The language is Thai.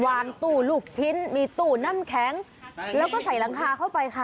วางตู้ลูกชิ้นมีตู้น้ำแข็งแล้วก็ใส่หลังคาเข้าไปค่ะ